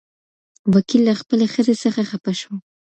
وکيل له خپلې ښځې څخه خپه شو.